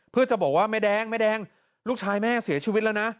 เพื่อจะบอกว่าแม่แดงแม่แดงลูกชายแม่เสียชีวิตแล้วนะ